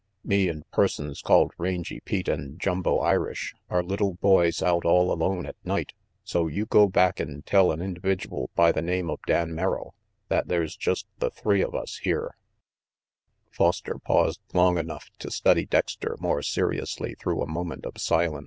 Me and persons called Rangy Pete and Jumbo Irish are little boys out all alone at night; so you go back and tell an individual by the name of Dan Merrill that there's just the three of us here Foster paused long enough to study Dexter more seriously through a moment of silence.